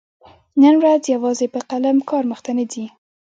نن ورځ يوازي په قلم کار مخته نه ځي.